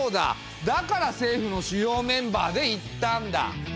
だから政府の主要メンバーで行ったんだ。